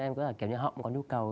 em cứ kiểu như họ cũng có nhu cầu